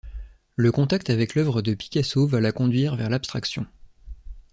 Le contact avec l’œuvre de Picasso va la conduire vers l’abstraction.